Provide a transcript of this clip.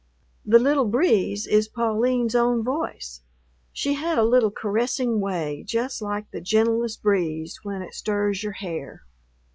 The little breeze is Pauline's own voice; she had a little caressing way just like the gentlest breeze when it stirs your hair.